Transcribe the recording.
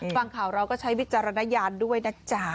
ฟังข่าวเราก็ใช้วิจารณญาณด้วยนะจ๊ะ